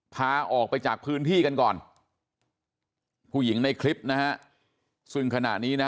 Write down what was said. พาออกไปจากพื้นที่กันก่อนผู้หญิงในคลิปนะฮะซึ่งขณะนี้นะ